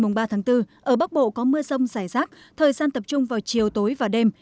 ở bắc bộ có mưa rông rải rác thời gian tập trung vào chiều tối và đêm